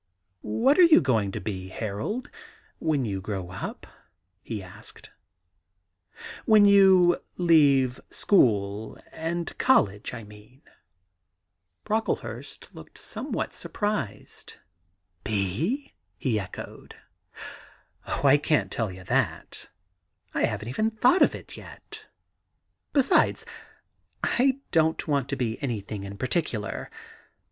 *What are you going to be, Harold, when you grow up,' he asked — *when you leave school and college, I mean ?' Brocklehurst looked somewhat surprised. * Be I ' he echoed. *0h, I can't tell you that. I haven't even thought about it yet. ... Besides I don't want to be anything in particular.